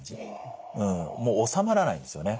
もうおさまらないんですよね。